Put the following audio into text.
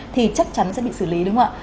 thì chắc chắn sẽ bị xử lý đúng không ạ